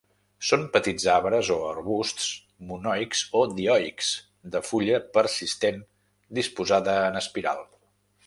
Són petits arbres o arbusts, monoics o dioics, de fulla persistent disposada en espiral.